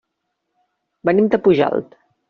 Venim de Pujalt.